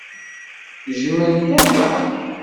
Jjment aya.